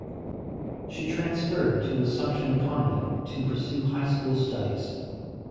She transferred to Assumption Convent to pursue high school studies.